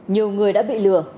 nhiều người đã bị lừa